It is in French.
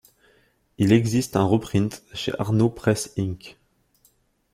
Il existe un reprint chez Arno Press Inc.